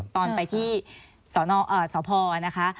ตอนไปที่สพนะคะ